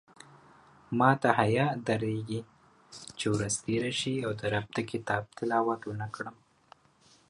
ماته حیاء درېږې چې ورځ تېره شي او د رب د کتاب تلاوت ونکړم